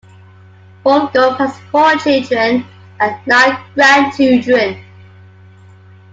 Fulghum has four children and nine grandchildren.